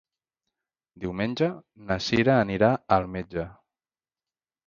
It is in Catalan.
Diumenge na Cira anirà al metge.